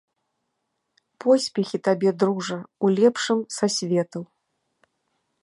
Поспехі табе, дружа, у лепшым са светаў.